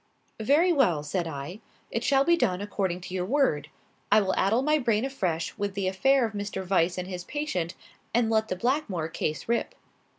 "Very well," said I. "It shall be done according to your word. I will addle my brain afresh with the affair of Mr. Weiss and his patient, and let the Blackmore case rip."